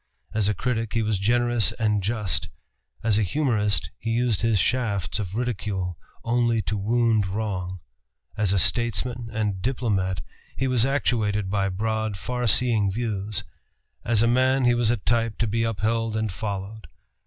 As a critic he was generous and just; as a humorist he used his shafts of ridicule only to wound wrong; as a statesman and diplomat he was actuated by broad, far seeing views; as a man he was a type to be upheld and followed.